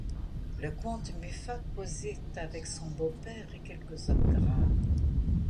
Le comte Muffat causait avec son beau-père et quelques hommes graves.